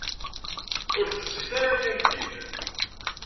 Ur tezzit ara kan din.